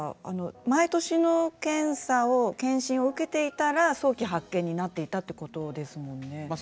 毎年の検査を健診を受けていたら早期発見になっていたということですものね。